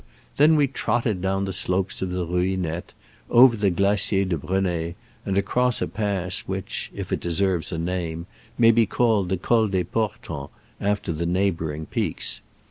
Then we trotted down the slopes of the Ruinette, over the Glacier de Breney, and across a pass which (if it deserves a name) may be called the Col des Portons, after the neighboring peaks.